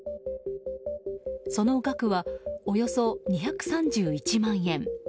その額は、およそ２３１万円。